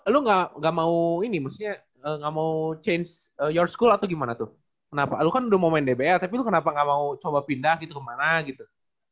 lu nggak mau ini maksudnya gak mau change your school atau gimana tuh kenapa lo kan udah mau main dbl tapi lu kenapa nggak mau coba pindah gitu kemana gitu